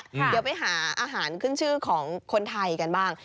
เดี๋ยวไปหาอาหารขึ้นชื่อของคนไทยกันบ้าง